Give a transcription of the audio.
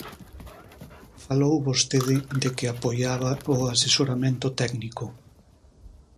Falou vostede de que apoiaba o asesoramento técnico.